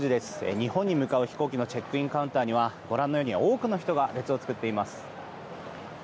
日本に向かう飛行機のチェックインカウンターにはご覧のように多くの人が列を作っています。